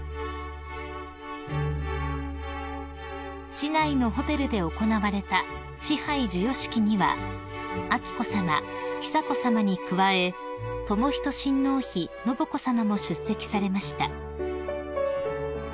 ［市内のホテルで行われた賜杯授与式には彬子さま久子さまに加え仁親王妃信子さまも出席されました］